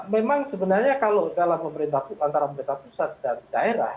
memang sebenarnya kalau dalam pemerintah antara pemerintah pusat dan daerah